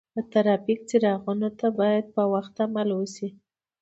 د ترافیک څراغونو ته باید په وخت عمل وشي.